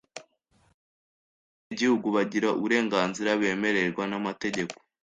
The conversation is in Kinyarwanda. Abenegihugu bagira uburenganzira bemererwa n’amategeko